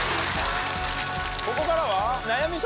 ここからは。